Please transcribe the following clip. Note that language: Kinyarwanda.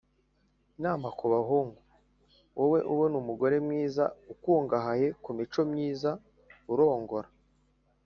inama kubahungu: wowe ubona umugore mwiza, ukungahaye kumico myiza, urongora